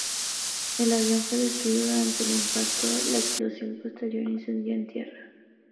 El avión fue destruido durante el impacto, la explosión y posterior incendio en tierra.